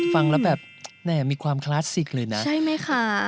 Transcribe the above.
ฟังแล้วแบบแหมมีความคลาสสิกเลยนะใช่ไหมคะ